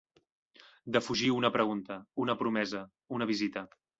Defugir una pregunta, una promesa, una visita.